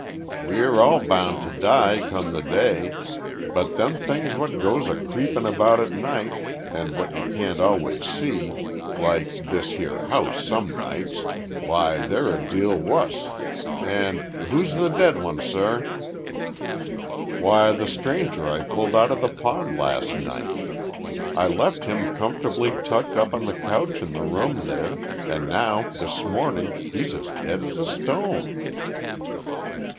"We'm all bound to die come the day; but them things what goes a creepin' about at night, and what you can't always see, like in this 'ere 'ouse some nights why they're a deal wuss. And who's the dead 'un, sir?" "Why the stranger I pulled out of the pond last night. I left him comfortably tucked up on the couch in the room there, and now this morning he's as dead as a stone."